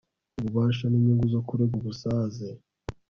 ububasha n inyungu zo kurega ubusaze